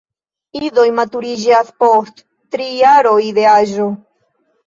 Idoj maturiĝas post tri jaroj de aĝo.